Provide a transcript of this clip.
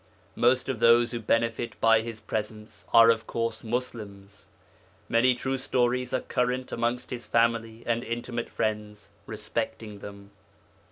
Most of those who benefit by his presence are of course Muslims; many true stories are current among his family and intimate friends respecting them.